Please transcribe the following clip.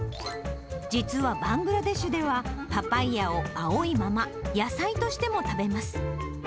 実はバングラデシュでは、パパイヤを青いまま、野菜としても食べます。